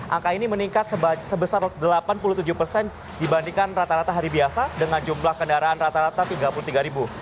angka ini meningkat sebesar delapan puluh tujuh persen dibandingkan rata rata hari biasa dengan jumlah kendaraan rata rata tiga puluh tiga ribu